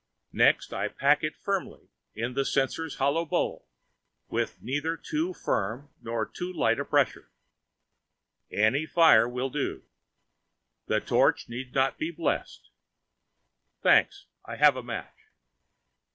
Next I pack it firmly in the censer's hollow bowl with neither too firm nor too light a pressure. Any[Pg 1249] fire will do. The torch need not be blessed. Thanks, I have a match.